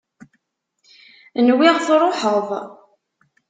Nwiɣ truḥeḍ.